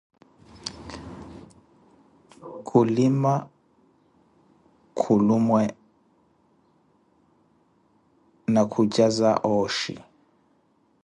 Khuliwa kuluwe na khucaza ooxhi.